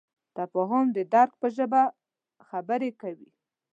تفاهم د درک په ژبه خبرې کوي.